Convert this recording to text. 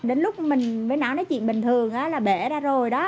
đến lúc mình với nó nói chuyện bình thường á là bể ra rồi đó